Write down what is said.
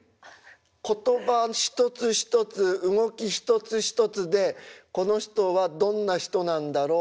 言葉一つ一つ動き一つ一つでこの人はどんな人なんだろう